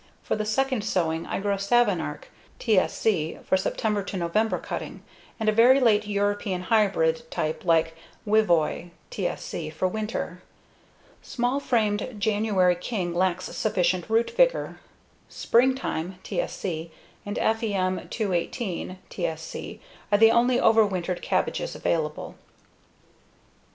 For the second sowing I grow Savonarch (TSC) for September[ ]November cutting and a very late European hybrid type like Wivoy (TSC) for winter. Small framed January King lacks sufficient root vigor. Springtime (TSC) and FEM218 (TSC) are the only overwintered cabbages available.